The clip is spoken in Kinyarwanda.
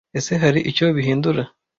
Ese hari icyo bihindura?